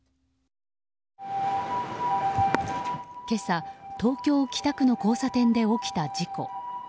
今朝、東京・北区の交差点で起きた事故。